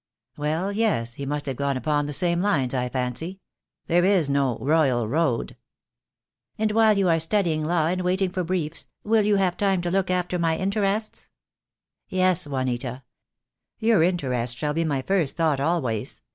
"Well, yes, he must have gone upon the same lines, I fancy. There is no royal road." "And while you are studying law and waiting for briefs, will you have time to look after my interests?" "Yes, Juanita. Your interest shall be my first thought always.